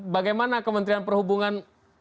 bagaimana kementerian perhubungan